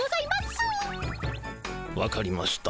わかりました。